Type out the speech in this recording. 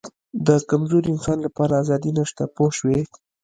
د کمزوري انسان لپاره آزادي نشته پوه شوې!.